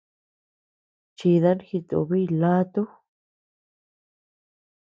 Chidan jitubiy laatu.